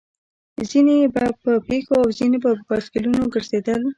ځينې به په پښو او ځينې پر بایسکلونو ګرځېدل.